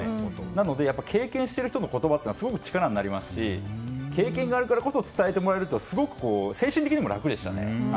なので、経験している人の言葉というのはすごく力になりますし経験があるからこそ伝えてもらえるとすごく精神的にも楽でしたね。